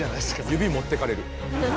指もってかれる。